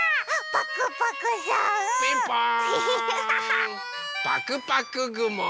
パクパクぐも！